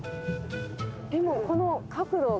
でもこの角度結構。